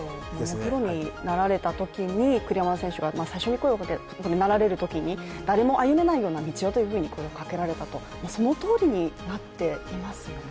プロになられたときに栗山監督が声をかけられて誰も歩めない道をということで声をかけられたとそのとおりになっていますよね。